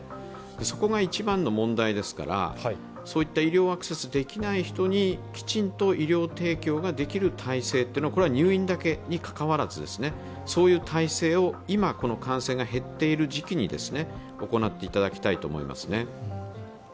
そこが一番の問題ですから、そういった医療アクセスできない人にきちんと医療提供ができる体制、これは入院だけにかかわらずそういう体制を今、感染が減っている時期に行っていただきたいと思いますね。